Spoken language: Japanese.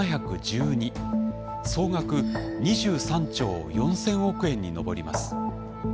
総額２３兆４，０００億円に上ります。